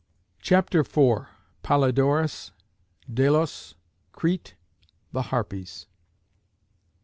CHAPTER IV. POLYDORUS DELOS CRETE THE HARPIES.